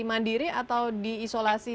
mandiri atau diisolasi